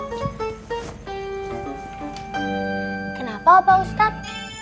kenapa bapak ustadz